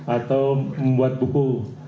atau membuat buku